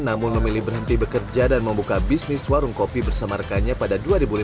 namun memilih berhenti bekerja dan membuka bisnis warung kopi bersama rekannya pada dua ribu lima belas